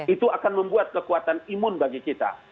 itu akan membuat kekuatan imun bagi kita